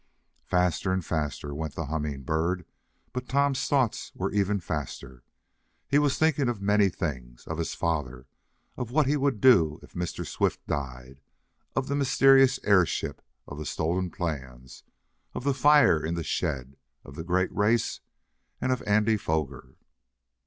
Faster and faster went the Humming Bird, but Tom's thoughts were even faster. He was thinking of many things of his father of what he would do if Mr. Swift died of the mysterious airship of the stolen plans of the fire in the shed of the great race and of Andy Foger.